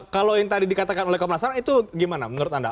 kalau yang tadi dikatakan oleh komnas ham itu gimana menurut anda